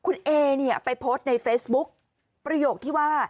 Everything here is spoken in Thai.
คุณเอเนี่ยไปโพสต์ในเฟซบุ๊กประโยคที่ว่า